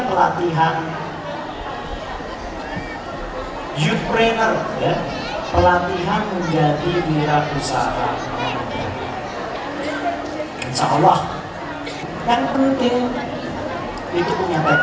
insya allah yang penting itu punya tekat untuk maju